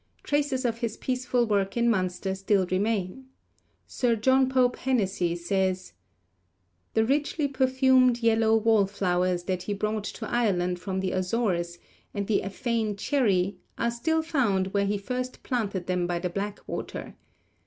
Traces of his peaceful work in Munster still remain. Sir John Pope Hennessy says: The richly perfumed yellow wallflowers that he brought to Ireland from the Azores, and the Affane cherry, are still found where he first planted them by the Blackwater.